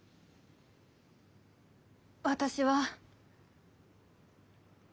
私は。